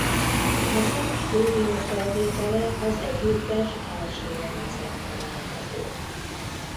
A szám stúdiófelvétele az együttes első lemezén található.